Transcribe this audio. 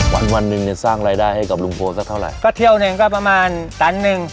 วันนึงเนี้ยสร้างรายได้ให้กับรุงโฟร์ซะเท่าไรก็เที่ยวเนี้ยก็ประมาณตั้งหนึ่ง